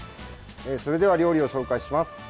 それでは料理を紹介します。